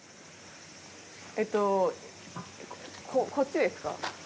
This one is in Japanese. えっとこっちですか？